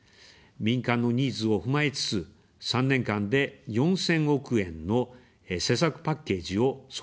民間のニーズを踏まえつつ、３年間で４０００億円の施策パッケージを創設しました。